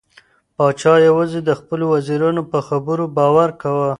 پاچا یوازې د خپلو وزیرانو په خبرو باور کاوه.